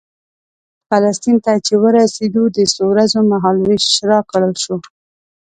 فلسطین ته چې ورسېدو د څو ورځو مهال وېش راکړل شو.